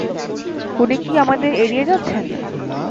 উনি কি আমাদের এড়িয়ে যাচ্ছেন?